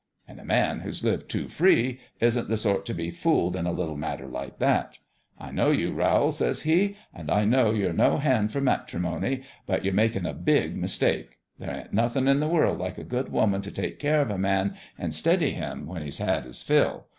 An' a man who's lived too free isn't the sort t' be fooled in a little matter like that. I know you, Rowl,' says he, ' an' I know you're no hand for matrimony ; but you're makin' a big mistake. There ain't nothin' in the world like a good woman t' take care of a man, an' steady him, when he's had his fill.